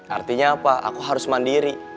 artinya apa aku harus mandiri